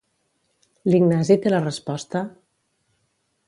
L'Ignasi té la resposta?